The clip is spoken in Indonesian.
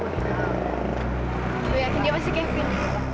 aku yakin dia pasti kevin